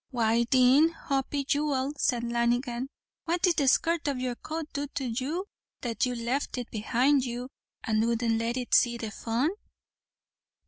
"Why thin, Hoppy jewel," said Lanigan, "what did the skirt o' your coat do to you that you left it behind you, and wouldn't let it see the fun?"